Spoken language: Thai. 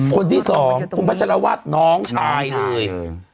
คนที่สองคุณพัชรวาสน้องชายเลย